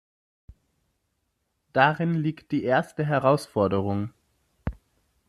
Darin liegt die erste Herausforderung.